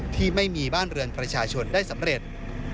ที่ไม่มีบ้านเรือนประชาชนได้สำเร็จ